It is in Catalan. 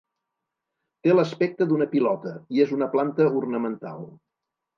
Té l'aspecte d'una pilota i és una planta ornamental.